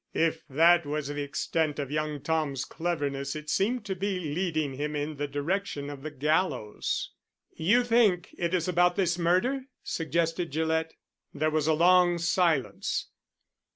If that was the extent of young Tom's cleverness it seemed to be leading him in the direction of the gallows. "You think it is about this murder?" suggested Gillett. There was a long silence.